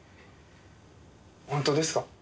本当ですか？